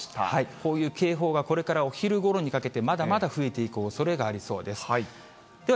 こういう警報がこれからお昼ごろにかけて、まだまだ増えていくおそれがありそうです。